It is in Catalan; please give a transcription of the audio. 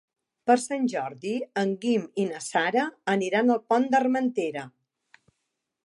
Per Sant Jordi en Guim i na Sara aniran al Pont d'Armentera.